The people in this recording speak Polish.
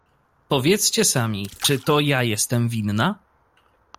"Powiedzcie sami, czy to ja jestem winna?"